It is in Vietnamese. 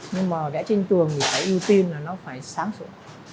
nhưng mà vẽ trên tường thì phải ưu tin là nó phải sáng sửa